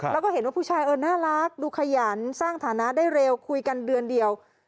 แล้วก็เห็นว่าผู้ชายเออน่ารักดูขยันสร้างฐานะได้เร็วคุยกันเดือนเดียว